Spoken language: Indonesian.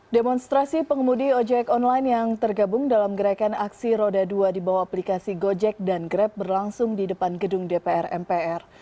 demonstrasi pengemudi ojek online yang tergabung dalam gerakan aksi roda dua di bawah aplikasi gojek dan grab berlangsung di depan gedung dpr mpr